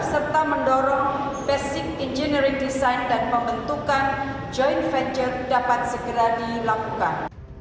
serta mendorong basic engineering design dan pembentukan joint venture dapat segera dilakukan